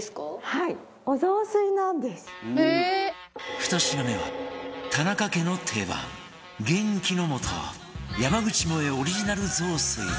２品目は田中家の定番元気のもと山口もえオリジナル雑炊